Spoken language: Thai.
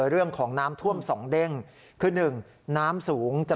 เรื่องของน้ำถ้วมสองด้้งคือหนึ่งน้ำสูงจะ